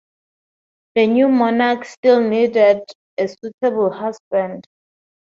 The new monarch still needed a suitable husband.